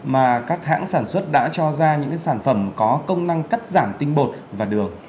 mà các hãng sản xuất đã cho ra những sản phẩm có công năng cắt giảm tinh bột và đường